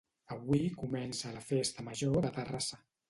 Avui comença la festa major de Terrassa